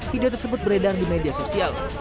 video tersebut beredar di media sosial